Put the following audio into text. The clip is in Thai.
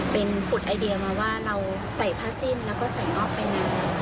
เป็นผุดไอเดียมาว่าเราใส่ผ้าสิ้นแล้วก็ใส่นอกไปนาน